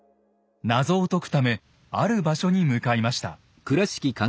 謎を解くためある場所に向かいました。